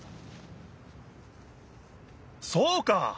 そうか！